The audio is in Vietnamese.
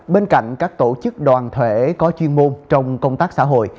bên cạnh các tổ chức đoàn thể có chuyên môn trong công tác xã hội